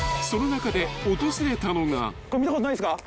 これ見たことないですか？